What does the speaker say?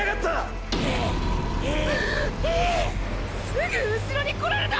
すぐうしろに来られた！！